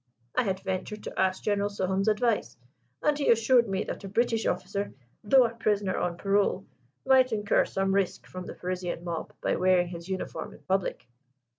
I had ventured to ask General Souham's advice, and he assured me that a British officer, though a prisoner on parole, might incur some risk from the Parisian mob by wearing his uniform in public."